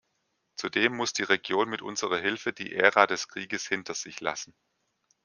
Zudem muss die Region mit unserer Hilfe die Ära des Krieges hinter sich lassen.